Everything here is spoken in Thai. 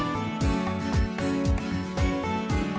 โปรดติดตามตอนต่อไป